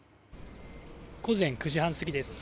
午前９時半過ぎです。